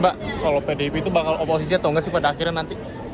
mbak kalau pdip itu bakal oposisi atau enggak sih pada akhirnya nanti